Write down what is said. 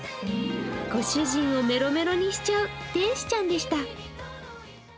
ご主人をメロメロにしちゃう、天使ちゃんでした。